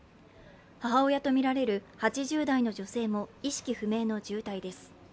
母親とみられる８０代の女性も意識不明の重体です。